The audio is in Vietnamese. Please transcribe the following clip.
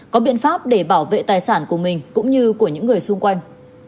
có biện pháp để bảo vệ tài sản của mình cũng như của những người xung quanh